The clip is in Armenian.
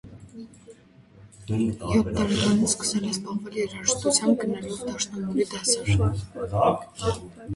Յոթ տարեկանից սկսել է զբաղվել երաժշտությամբ՝ գնելով դաշնամուրի դասեր։